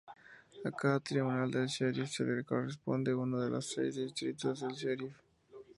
A cada tribunal del "sheriff" le corresponde uno de los seis distritos del "sheriff".